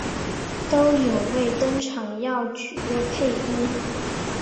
都有为登场要角配音。